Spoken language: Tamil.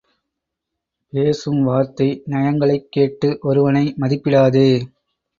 பேசும் வார்த்தை நயங்களைக் கேட்டு ஒருவனை மதிப்பிடாதே.